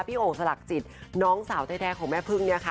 พี่โอ้งสลักจิตน้องสาวแท้แท้ของแม่พึ่ง